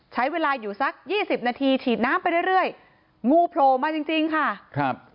ใช้เวลาอยู่สัก๒๐นาทีฉีดน้ำไปเรื่อยงูโพลมาจริงค่ะ